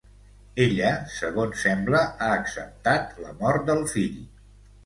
Ella, segons sembla, ha acceptat la mort del fill.